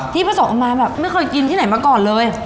ผสมออกมาแบบไม่เคยกินที่ไหนมาก่อนเลย